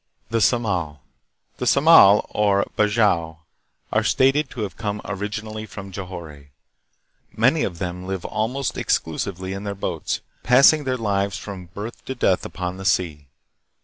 The Samal. The Samal, or Bajau, are stated to have come originally from Johore. Many of them live almost exclusively in their boats, passing their lives from birth to death upon the sea.